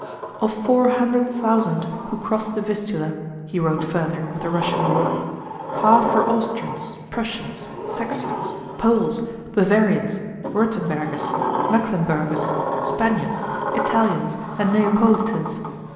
"Of four hundred thousand who crossed the Vistula," he wrote further of the Russian war, "half were Austrians, Prussians, Saxons, Poles, Bavarians, Württembergers, Mecklenburgers, Spaniards, Italians, and Neapolitans.